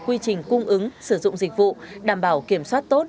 quy trình cung ứng sử dụng dịch vụ đảm bảo kiểm soát tốt